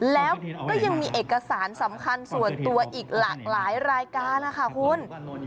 แล้วก็ยังมีเอกสารสำคัญส่วนตัวอีกหลากหลายรายการนะคะคุณ